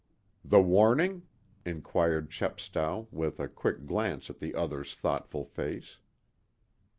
"The warning?" inquired Chepstow, with a quick glance at the other's thoughtful face.